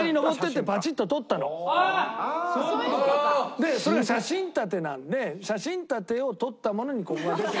でそれが写真立てなんで写真立てを撮ったものにここが出てるから。